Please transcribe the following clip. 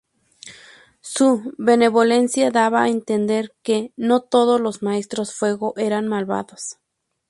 Su benevolencia daba a entender que no todos los maestros fuego eran malvados.